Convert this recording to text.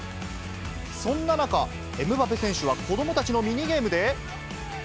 そんな中、エムバペ選手は子どもたちのミニゲームで。